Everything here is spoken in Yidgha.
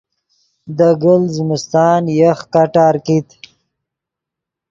دے گلت زمستان یخ کٹار کیت